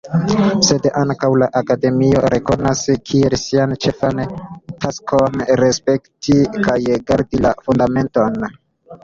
Sed ankaŭ la Akademio rekonas kiel sian ĉefan taskon respekti kaj gardi la Fundamenton.